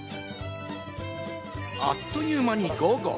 あっという間に午後。